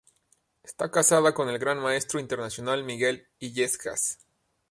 Está casada con el gran maestro internacional Miguel Illescas.